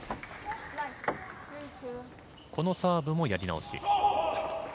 このサーブもやり直し。